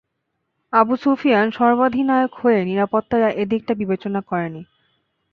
Abu Sufyan সর্বাধিনায়ক হয়ে নিরাপত্তার এদিকটা বিবেচনা করেনি।